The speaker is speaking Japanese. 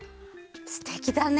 すてきだね！